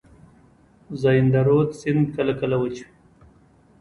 زاینده رود سیند کله کله وچ وي.